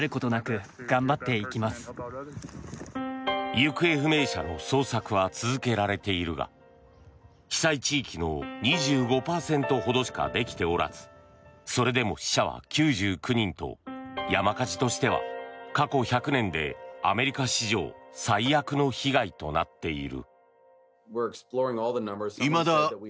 行方不明者の捜索は続けられているが被災地域の２５％ほどしかできておらずそれでも死者は９９人と山火事としては過去１００年でアメリカ史上最悪の被害となっている。